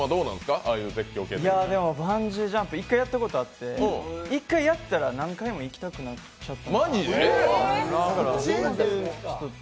バンジージャンプ１回やったことあって、１回やったら何回も行きたくなっちゃって。